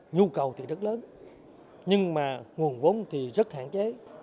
nhu cầu thì rất lớn nhưng mà nguồn vốn thì rất hạn chế